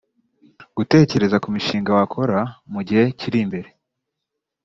gutekereza ku mishinga wakora mu gihe kiri imbere